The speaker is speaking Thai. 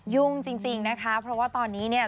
ยุ่งจริงนะคะเพราะว่าตอนนี้เนี่ย